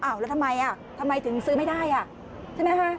อ้าวแล้วทำไมทำไมถึงซื้อไม่ได้ใช่ไหมฮะ